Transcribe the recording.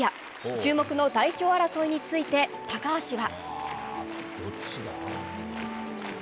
注目の代表争いについて高橋は。